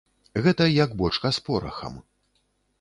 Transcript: Гэта як бочка з порахам.